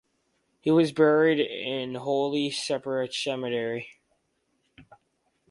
He was buried in Holy Sepulchre Cemetery.